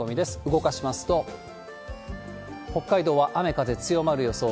動かしますと、北海道は雨、風強まる予想。